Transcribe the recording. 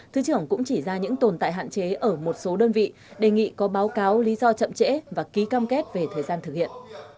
thứ trưởng cũng chỉ ra những tồn tại hạn chế ở một số đơn vị đề nghị có báo cáo lý do chậm trễ và ký cam kết về thời gian thực hiện